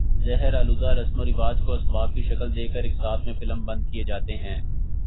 زہر آلودہ رسم و رواج کو اسباق کی شکل دے کر اقساط میں فلم بند کئے جاتے ہیں